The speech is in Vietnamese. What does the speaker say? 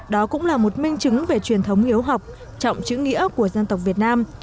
đó cũng là một minh chứng về truyền thống hiếu học trọng chữ nghĩa của dân tộc việt nam